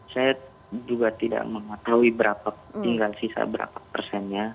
saya juga tidak mengetahui tinggal sisa berapa persennya